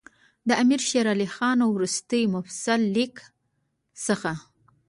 د امیر شېر علي خان وروستي مفصل لیک څخه.